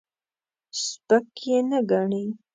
سپک به یې نه ګڼې.